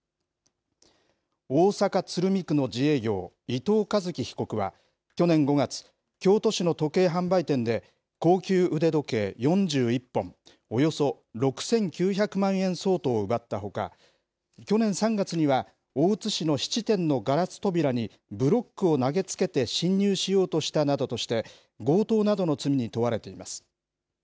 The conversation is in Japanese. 大阪・鶴見区の自営業、伊藤一輝被告は去年５月、京都市の時計販売店で、高級腕時計４１本、およそ６９００万円相当を奪ったほか、去年３月には、大津市の質店のガラス扉にブロックを投げつけて侵入しようとしたなどとして、強盗などの罪に問われています。